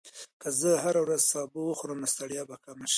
که زه هره ورځ سبو وخورم، نو ستړیا به کمه شي.